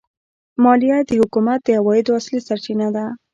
مالیه د حکومت د عوایدو اصلي سرچینه ده.